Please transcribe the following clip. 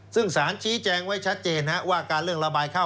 ซึ่งสารชี้แจงไว้ชัดเจนว่าการเรื่องระบายข้าว